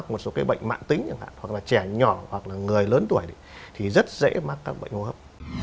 mạng tính chẳng hạn hoặc là trẻ nhỏ hoặc là người lớn tuổi thì rất dễ mắc các bệnh hô hấp